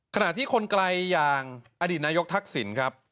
ขณะที่คนไกลอย่างอดีตนายกทักษิณครับ